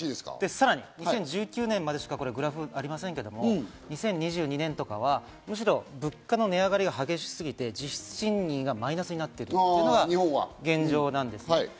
さらに２０１９年までしかグラフがありませんけど、２０２３年とかはむしろ物価の値上がりが激しすぎて実質賃金がマイナスになっているというのが現状です。